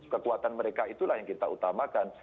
kekuatan mereka itulah yang kita utamakan